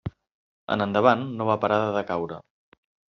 En endavant no va parar de decaure.